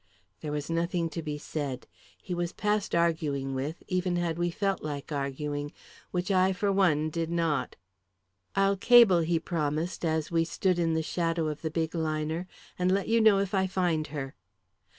There was nothing to be said. He was past arguing with, even had we felt like arguing which I, for one, did not. "I'll cable," he promised, as we stood in the shadow of the big liner, "and let you know if I find her."